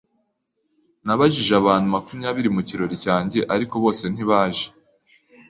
Nabajije abantu makumyabiri mu kirori cyanjye ariko bose ntibaje.